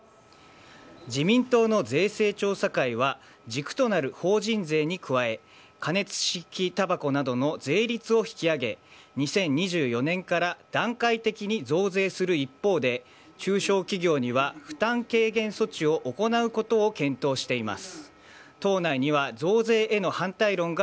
自民党の税制調査会は、軸となる法人税に加え、加熱式たばこなどの税率を引き上げ、２０２４年から段階的に増税する一方で、中小企業には負担軽減措置を行うことを検討しています。